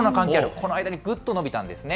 この間にぐっと伸びたんですね。